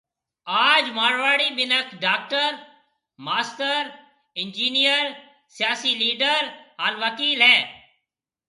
آج مارواڙي مِنک ڊاڪٽر، ماستر ، انجينئر، سياسي ليڊر ھان وڪيل ھيَََ